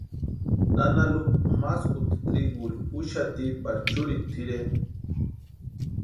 Nana Lupa maskuta triguri úxati para churikwa tʼireni.